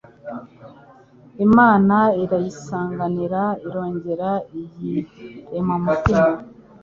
Imana irayisanganira, Irongera iyirema umutima !